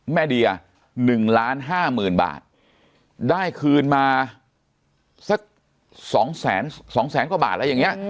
แม่เดีย๑๕๐๐๐๐๐บาทได้คืนมาสัก๒๐๐๐๐๐กว่าบาทแล้วอย่างนี้